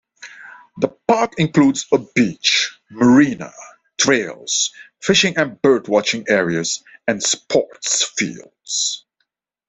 The park includes a beach, marina, trails, fishing and bird-watching areas and sports fields.